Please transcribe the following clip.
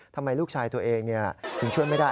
ทำไมลูกชายตัวเองถึงช่วยไม่ได้